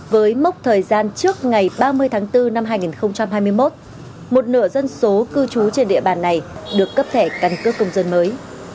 với mốc thời gian trước ngày ba mươi tháng bốn năm hai nghìn hai mươi một một nửa dân số cư trú trên địa bàn này được cấp thẻ căn cước công dân mới